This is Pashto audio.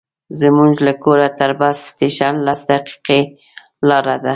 زموږ له کوره تر بس سټېشن لس دقیقې لاره ده.